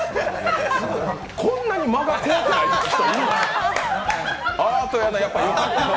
こんなに間が怖くない人、いるの？